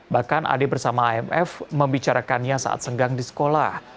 bahkan ade bersama amf membicarakannya saat senggang di sekolah